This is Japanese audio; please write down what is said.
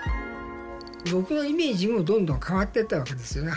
僕のイメージもどんどん変わってったわけですよね。